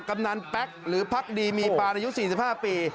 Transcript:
กำนันแป๊กหรือพักดีมีปานอายุ๔๕ปี